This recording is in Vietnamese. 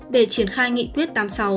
để triển khai nghị quyết tám mươi sáu